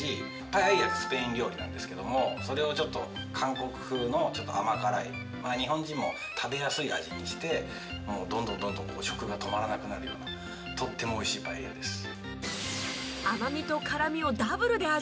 パエリアってスペイン料理なんですけどもそれをちょっと韓国風の甘辛い日本人も食べやすい味にしてどんどんどんどん食が止まらなくなるようなとっても美味しいパエリアです。